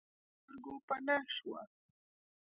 بیا له سترګو پناه شوه.